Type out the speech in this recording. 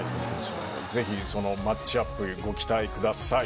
ぜひ、そのマッチアップご期待ください。